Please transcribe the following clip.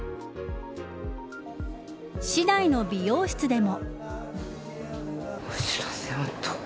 市内の美容室でも。